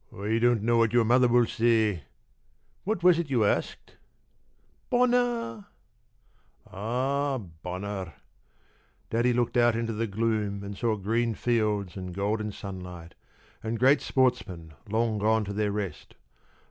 p> "I don't know what your mother will say I What was it you asked?" "Bonner!" "Ah, Bonner!" Daddy looked out in the gloom and saw green fields and golden sunlight, and great sportsmen long gone to their rest.